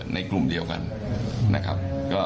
ในกลุ่มเดียวกันนะครับ